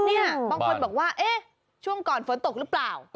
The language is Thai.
บางคนบอกว่าช่วงก่อนฝนตกหรือเปล่า